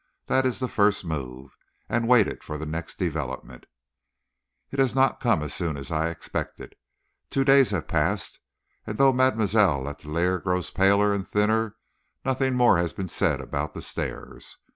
"That is the first move," and waited for the next development. It has not come as soon as I expected. Two days have passed, and though Mademoiselle Letellier grows paler and thinner, nothing more has been said about the stairs.